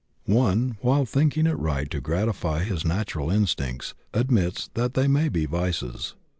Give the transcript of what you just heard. One, while thinking it right to gratify his natural instincts, admits that they may be vices.